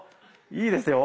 いいですよ。